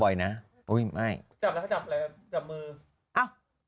จับมือ